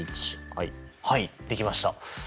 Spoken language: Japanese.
はいできました。